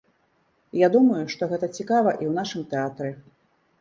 Я думаю, што гэта цікава і ў нашым тэатры.